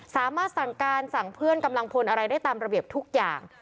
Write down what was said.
สามารถสั่งการสั่งเพื่อนกำลังพลอะไรได้ตามระเบียบทุกอย่าง